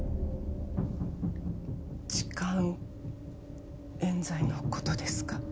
痴漢えん罪のことですか？